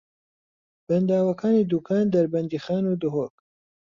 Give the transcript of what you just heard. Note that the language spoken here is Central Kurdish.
بەنداوەکانی دووکان، دەربەندیخان و دهۆک